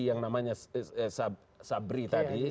yang namanya sabri tadi